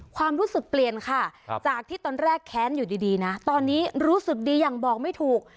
ความรู้สึกเปลี่ยนค่ะจากที่ตอนแรกแค้นอยู่ดีนะตอนนี้รู้สึกดีอย่างบอกไม่ถูก